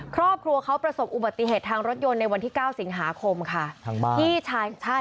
ครอบครัวเขาประสบอุบัติเหตุทางรถยนต์ในวันที่๙สิงหาคมค่ะ